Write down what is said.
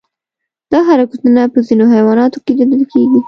دا حرکتونه په ځینو حیواناتو کې لیدل کېږي.